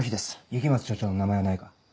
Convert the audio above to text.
雪松署長の名前はないか？